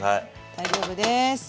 大丈夫です。